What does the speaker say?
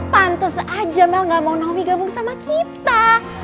pantes aja mel gak mau nabi gabung sama kita